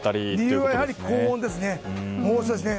理由はやはり高温ですね猛暑ですね。